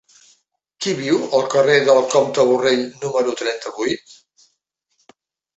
Qui viu al carrer del Comte Borrell número trenta-vuit?